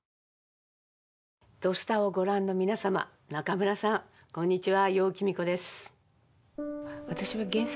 「土スタ」をご覧の皆様中村さん、こんにちは。